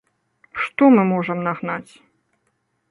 Што мы можам нагнаць?